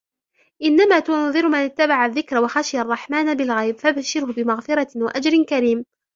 إنما تنذر من اتبع الذكر وخشي الرحمن بالغيب فبشره بمغفرة وأجر كريم